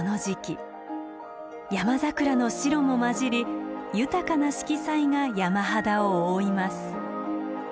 山桜の白も交じり豊かな色彩が山肌を覆います。